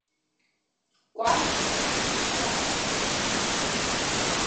Кәасҭа дааҭрысит.